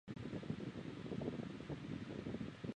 单蛙蛭为舌蛭科蛙蛭属的动物。